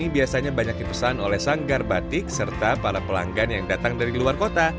biasanya banyak dipesan oleh sanggar batik serta para pelanggan yang datang dari luar kota